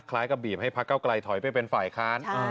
กับบีบให้พักเก้าไกลถอยไปเป็นฝ่ายค้าน